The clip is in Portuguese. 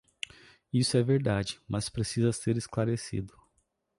Isso é verdade, mas precisa ser esclarecido.